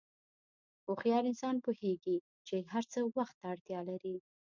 هوښیار انسان پوهېږي چې هر څه وخت ته اړتیا لري.